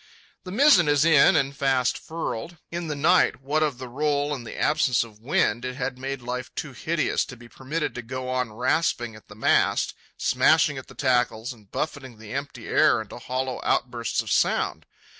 The mizzen is in and fast furled. In the night, what of the roll and the absence of wind, it had made life too hideous to be permitted to go on rasping at the mast, smashing at the tackles, and buffeting the empty air into hollow outbursts of sound.